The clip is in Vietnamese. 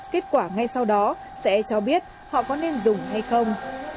kết quả ngay sau đó sẽ cho biết họ có nên dùng hay không